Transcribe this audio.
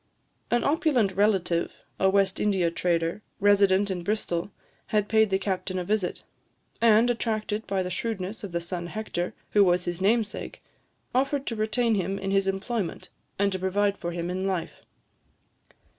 An opulent relative, a West India trader, resident in Bristol, had paid the captain a visit; and, attracted by the shrewdness of the son Hector, who was his namesake, offered to retain him in his employment, and to provide for him in life.